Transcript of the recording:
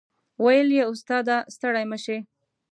وې ویل استاد ه ستړی مه شې.